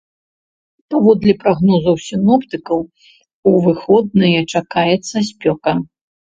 Паводле прагнозаў сіноптыкаў, у выходныя чакаецца спёка.